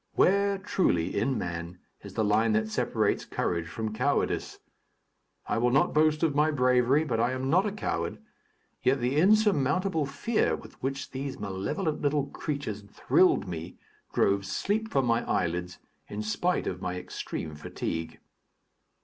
Where, truly, in man, is the line that separates courage from cowardice? I will not boast of my bravery, but I am not a coward, yet the insurmountable fear with which those malevolent little creatures thrilled me, drove sleep from my eyelids, in spite of my extreme fatigue.